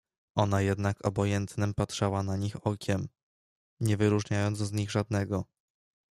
"Ona jednak obojętnem patrzała na nich okiem, nie wyróżniając z nich żadnego."